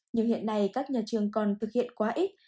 nhưng hiện nay các nhà trường còn thực hiện quá ít